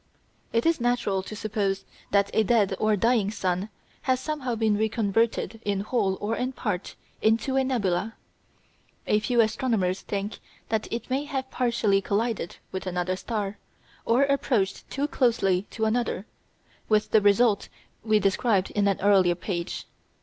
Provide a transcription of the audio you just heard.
It is natural to suppose that a dead or dying sun has somehow been reconverted in whole or in part into a nebula. A few astronomers think that it may have partially collided with another star, or approached too closely to another, with the result we described on an earlier page.